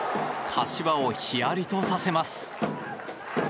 柏をヒヤリとさせます。